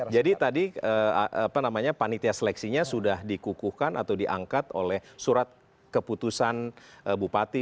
jadi apa namanya panitia seleksinya sudah dikukuhkan atau diangkat oleh surat keputusan bupati